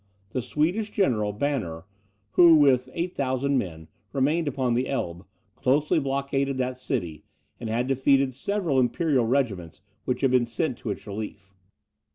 The Swedish general, Banner, who with 8,000 men remained upon the Elbe, closely blockaded that city, and had defeated several imperial regiments which had been sent to its relief.